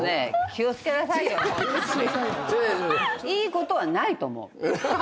いいことはないと思う。